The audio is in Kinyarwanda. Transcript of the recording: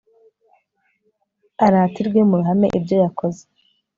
aratirwe mu ruhame ibyo yakoze